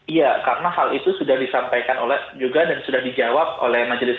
iya karena hal itu sudah disampaikan oleh juga dan sudah dijawab oleh majelis